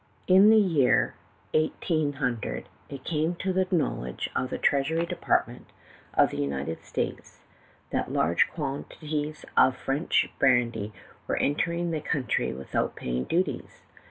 I N the year 18 —, it came to the knowl edge of the treasury department of the United States that large quantities of French brandy were entering the country without paying duties.